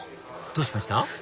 どうしました？